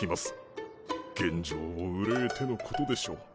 現状を憂えてのことでしょう。